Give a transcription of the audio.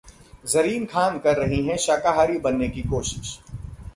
जरीन खान कर रही हैं शाकाहारी बनने की कोशिश